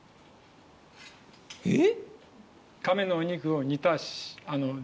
えっ？